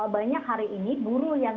banyak hari ini buruh yang